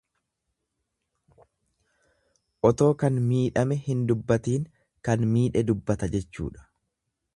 Otoo kan miidhame hin dubbatiin kan miidhe dubbata jechuudha.